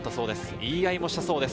言い合いもしたそうです。